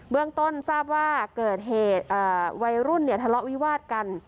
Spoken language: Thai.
เรื่องต้นทราบว่าเกิดเหตุวัยรุ่นทะเลาะวิวาดกัน